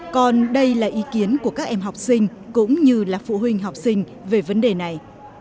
còn đây là ý kiến của các em học sinh cũng như là phụ huynh học sinh về vấn đề này